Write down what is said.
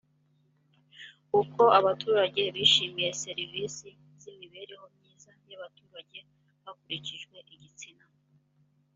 uko abaturage bishimiye serivisi z’imibereho myiza y’abaturage hakurikijwe igitsina